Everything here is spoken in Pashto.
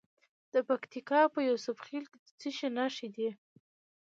د پکتیکا په یوسف خیل کې د څه شي نښې دي؟